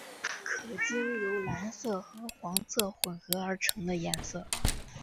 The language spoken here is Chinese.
可经由蓝色和黄色混和而成的颜色。